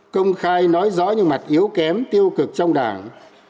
công khai nói rõ những mặt yếu kém tiêu cực trong đảng